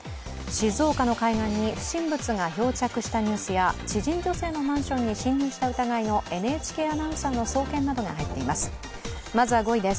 静岡の海岸に不審物が漂着したニュースや知人女性のマンションに侵入した疑いのＮＨＫアナウンサーの送検などが入っています。